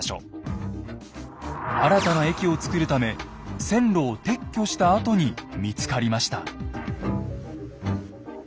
新たな駅をつくるため線路を撤去したあとに見つかりました。